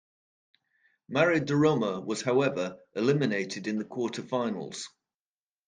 Mare di Roma was however eliminated in the quarterfinals.